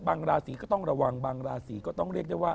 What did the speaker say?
ราศีก็ต้องระวังบางราศีก็ต้องเรียกได้ว่า